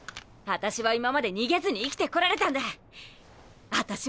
アタシは今まで逃げずに生きてこられたんだっ。